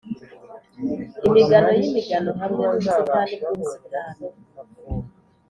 imigano yimigano hamwe nubusitani bwubusitani,